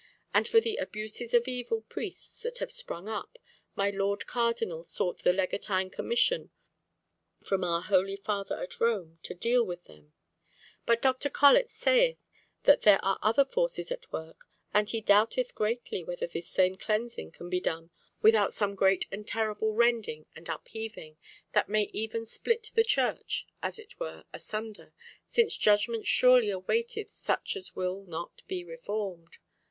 And for the abuses of evil priests that have sprung up, my Lord Cardinal sought the Legatine Commission from our holy father at Rome to deal with them. But Dr. Colet saith that there are other forces at work, and he doubteth greatly whether this same cleansing can be done without some great and terrible rending and upheaving, that may even split the Church as it were asunder—since judgment surely awaiteth such as will not be reformed.